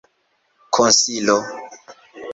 konsilo